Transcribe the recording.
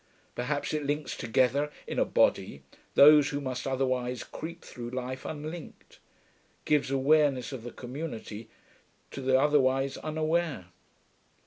Perhaps it links together in a body those who must otherwise creep through life unlinked, gives awareness of the community to the otherwise unaware.